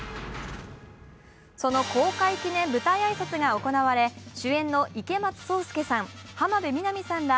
その公開記念舞台挨拶が行われ、主演の池松壮亮さん、浜辺美波さんら